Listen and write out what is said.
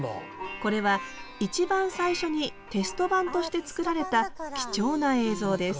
これは一番最初にテスト版として作られた貴重な映像です